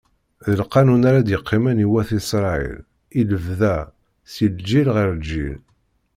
D lqanun ara d-iqqimen i wat Isṛayil, i lebda, si lǧil ɣer lǧil.